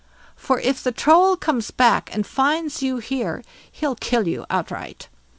For if the Troll comes back and finds you here, he'll kill you outright.